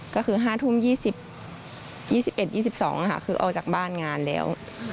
ก็คือ๕ทุ่ม๒๑๒๒ค่ะคือออกจากบ้านงานแล้ว